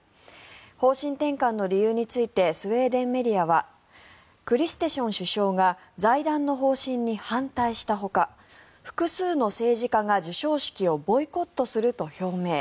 方針転換の理由についてスウェーデンメディアはクリステション首相が財団の方針に反対したほか複数の政治家が授賞式をボイコットすると表明。